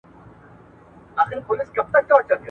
زه ليکنه نه کوم،